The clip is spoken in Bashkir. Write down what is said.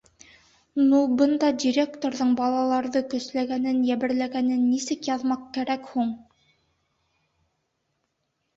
Ну, бында директорҙың балаларҙы көсләгәнен, йәберләгәнен нисек яҙмаҡ кәрәк һуң?